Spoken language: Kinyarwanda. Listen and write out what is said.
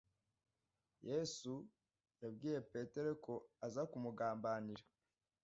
Yesu yabwiye petero ko aza kumugambanira